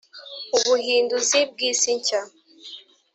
Ubuhinduzi bw’isi nshya